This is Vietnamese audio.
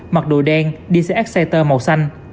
mặc đồ đen đi xe exciter màu xanh